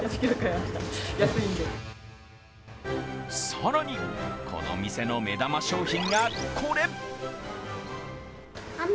更に、この店の目玉商品がこれ。